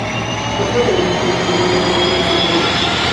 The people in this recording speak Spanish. Con esto terminó el primer periodo de asentamiento en Wismar.